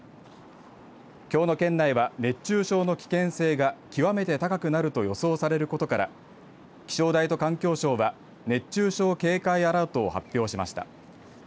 きょうの県内は熱中症の危険性が極めて高くなると予想されることから気象台と環境省は熱中症警戒アラートを発表しました。